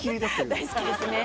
「大好きですね」